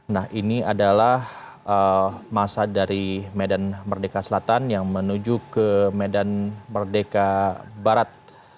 nah ini adalah masa dari medan merdeka selatan yang menuju ke medan merdeka barat